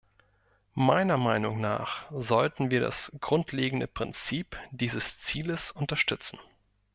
Meiner Meinung nach sollten wir das grundlegende Prinzip dieses Zieles unterstützen.